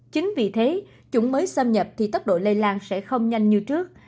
chính vì thế chủng mới xâm nhập thì tốc độ lây lan sẽ không nhanh như trước